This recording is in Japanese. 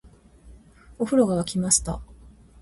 お風呂が湧きました